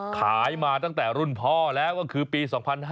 ขายมาตั้งแต่รุ่นพ่อแล้วก็คือปี๒๕๕๙